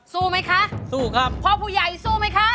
สู้ไหมคะสู้ครับพ่อผู้ใหญ่สู้ไหมคะ